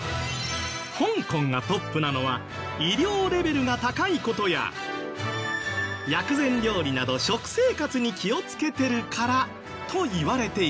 香港がトップなのは医療レベルが高い事や薬膳料理など食生活に気を付けてるからといわれているんです。